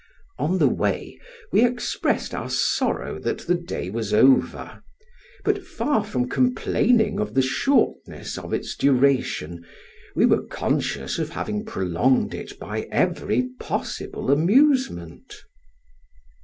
On the way, we expressed our sorrow that the day was over, but far from complaining of the shortness of its duration, we were conscious of having prolonged it by every possible amusement.